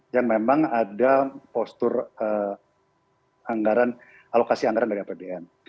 yang memang ada postur anggaran alokasi anggaran dari apbn